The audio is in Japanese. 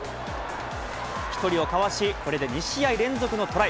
１人をかわし、これで２試合連続のトライ。